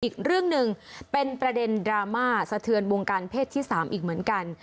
อีกเรื่องหนึ่งเป็นประเด็นดราม่าสะเทือนวงการเพศที่๓อีกเหมือนกัน